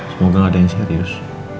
semoga ada yang serius